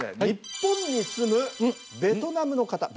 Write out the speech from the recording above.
日本に住むベトナムの方。